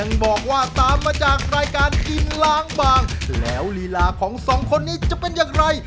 บอกว่าตามมาจากรายการกินล้างบางแล้วลีลาของสองคนนี้จะเป็นอย่างไร